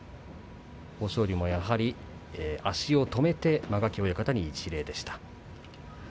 豊昇龍もやはり足を止めて間垣親方に一礼です。